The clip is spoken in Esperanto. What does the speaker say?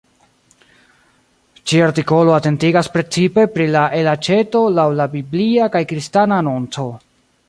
Ĉi artikolo atentigas precipe pri la elaĉeto laŭ la biblia kaj kristana anonco.